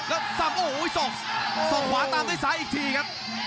แล้วซ้ำโอ้โหส่องขวาตามด้วยซ้ายอีกทีครับ